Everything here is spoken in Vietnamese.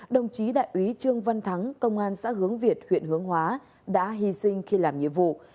đồng chí đại úy trương văn thắng công an xã hướng việt huyện hướng hóa đã hy sinh khi làm nhiệm vụ